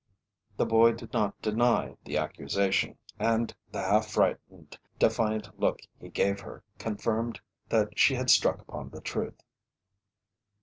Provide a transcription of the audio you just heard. The boy did not deny the accusation, and the half frightened, defiant look he gave her, confirmed that she had struck upon the truth.